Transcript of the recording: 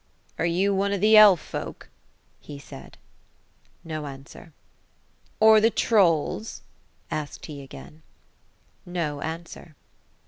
'' Are you one of the Elle folk ?" he said. No answer. '' Or the Trolls ?" asked he again. No answer.